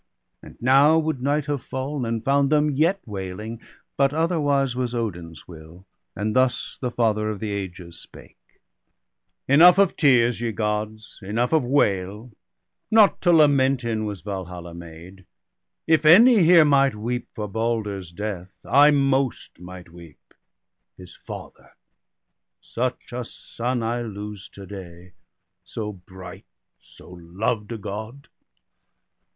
And now would night have falFn, and found them yet Wailing; but otherwise was Odin's will. And thus the father of the ages spake: — BALDER DEAD. 137 ' Enough of tears, ye Gods, enough of wail ! Not to lament in was Valhalla made. If any here might weep for Balder's death, I most might weep, his father; such a son I lose to day, so bright, so loved a God.